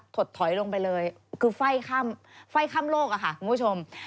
ถดถอยลงไปเลยคือไฟ่ข้ามโลกอะค่ะคุณผู้ชม